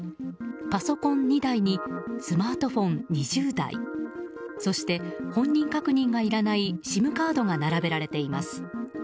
パソコン２台にスマートフォン２０台そして、本人確認がいらないＳＩＭカードが並べられています。